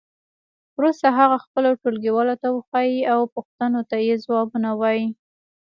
وروسته هغه خپلو ټولګیوالو ته وښیئ او پوښتنو ته یې ځوابونه ووایئ.